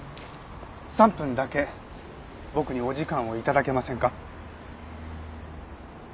３分だけ僕にお時間を頂けませんか？